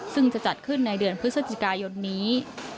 ซึ่งจะจัดขึ้นในเดือนพฤศจิกายนนี้